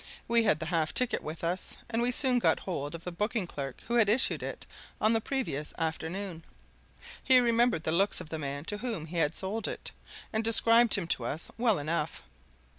We had the half ticket with us, and we soon got hold of the booking clerk who had issued it on the previous afternoon. He remembered the looks of the man to whom he had sold it, and described him to us well enough.